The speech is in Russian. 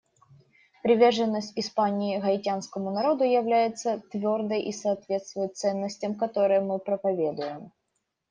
Приверженность Испании гаитянскому народу является твердой и соответствует ценностям, которые мы проповедуем.